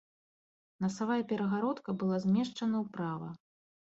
Насавая перагародка была змешчана ўправа.